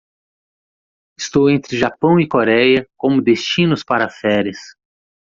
Estou entre Japão e Coreia como destinos para férias.